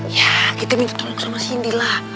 ya kita minta tolong sama cindy lah